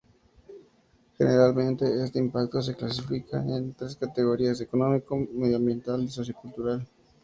Generalmente, este impacto se clasifica en tres categorías: económico, medioambiental y sociocultural.